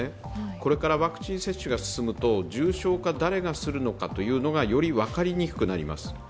これからワクチン接種が進むと重症化、誰がするのかということがより分かりにくくなります。